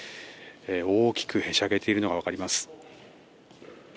大きくへしゃげているのが分かります。